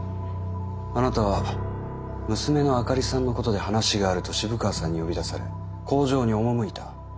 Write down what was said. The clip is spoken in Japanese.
あなたは娘の灯里さんのことで話があると渋川さんに呼び出され工場に赴いた。